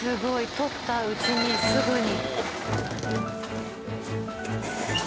とったうちにすぐに。